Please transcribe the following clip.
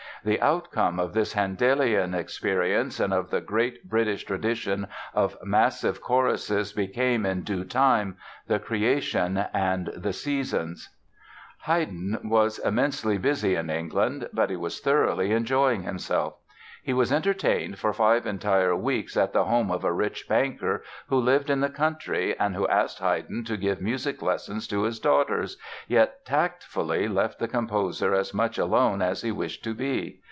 The outcome of this Handelian experience and of the great British tradition of massive choruses became, in due time, "The Creation" and "The Seasons." Haydn was immensely busy in England but he was thoroughly enjoying himself. He was entertained for five entire weeks at the home of a rich banker who lived in the country and who asked Haydn to give music lessons to his daughters, yet tactfully left the composer as much alone as he wished to be.